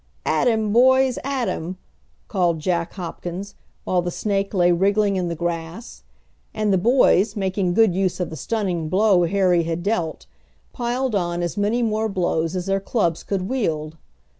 "At him, boys! At him!" called Jack Hopkins, while the snake lay wriggling in the grass; and the boys, making good use of the stunning blow Harry had dealt, piled on as many more blows as their clubs could wield.